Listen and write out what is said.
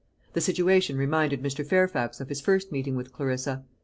The situation reminded Mr. Fairfax of his first meeting with Clarissa.